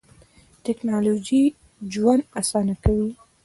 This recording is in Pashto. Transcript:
تکنالوژي ژوند آسانه کوي.